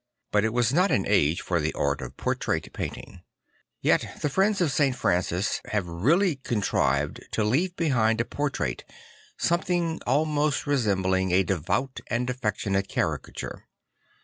But it was not an age for the art of portrait painting. Yet the friends of St. Francis have really contrived to leave behind a portrait; something almost resembling a devout and affectionate caricature.